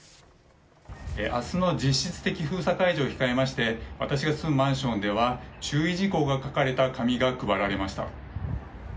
あすの実質的封鎖解除を控えまして、私が住むマンションでは、注意事項が書かれた紙が配られました。